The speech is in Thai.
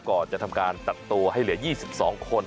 ก่อนจะทำการตัดตัวให้เหลือ๒๒คน